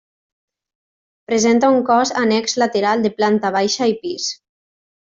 Presenta un cos annex lateral de planta baixa i pis.